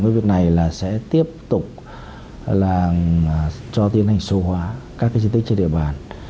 cái việc này là sẽ tiếp tục là cho tiến hành số hóa các cái di tích trên địa bàn